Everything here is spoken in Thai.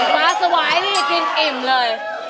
มาสวายที่จะกินอิ่มเลย